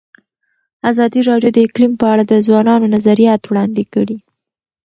ازادي راډیو د اقلیم په اړه د ځوانانو نظریات وړاندې کړي.